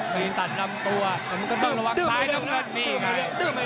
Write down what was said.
มีตัดลำตัวต้องระวังซ้ายน้ำเงินมีไง